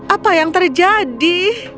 apa yang terjadi